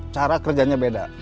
cara kerjanya beda